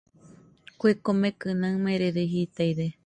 Kue komekɨ naɨmerede jitaide.